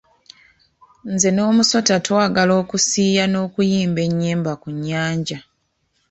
Nze n'omusota twagala okusiiya n'okuyimba enyimba ku nyanja.